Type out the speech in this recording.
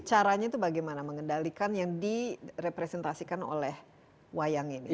caranya itu bagaimana mengendalikan yang direpresentasikan oleh wayang ini